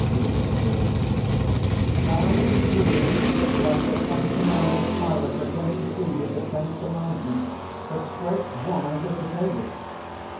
Lucio. Thou concludest like the sanctimonious pirate, that went to sea with the Ten Commandments, but scraped one out of the table.